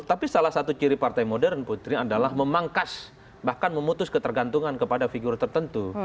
tapi salah satu ciri partai modern putri adalah memangkas bahkan memutus ketergantungan kepada figur tertentu